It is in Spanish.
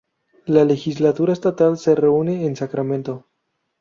La legislatura estatal se reúne en Sacramento.